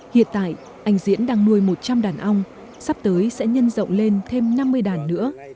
hiện tại anh diễn đang nuôi một trăm linh đàn ong sắp tới sẽ nhân rộng lên thêm năm mươi đàn nữa